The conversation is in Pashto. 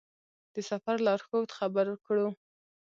د سفر لارښود خبر کړو.